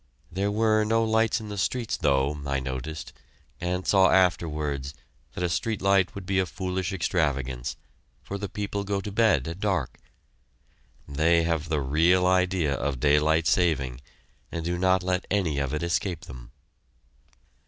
There were no lights in the streets, though, I noticed, and I saw afterwards that a street light would be a foolish extravagance, for the people go to bed at dark. They have the real idea of daylight saving, and do not let any of it escape them.